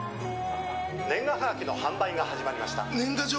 年賀はがきの販売が始まりました。